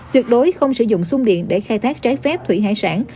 tuyệt đối không sử dụng sung điện để khai thác trái phép thủy hải sản